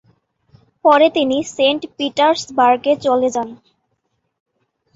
পরে তিনি সেন্ট পিটার্সবার্গে চলে যান।